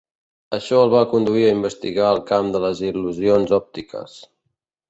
Això el va conduir a investigar el camp de les il·lusions òptiques.